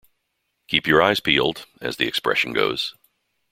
"Keep your eyes peeled", as the expression goes.